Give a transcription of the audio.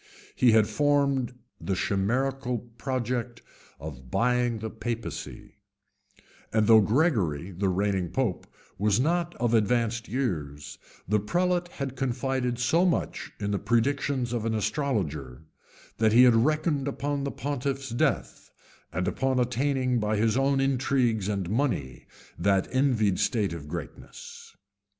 He had formed the chimerical project of buying the papacy; and though Gregory, the reigning pope, was not of advanced years, the prelate had confided so much in the predictions of an astrologer, that he reckoned upon the pontiff's death, and upon attaining, by his own intrigues and money, that envied state of greatness.